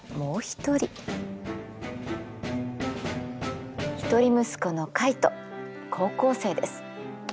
一人息子のカイト高校生です。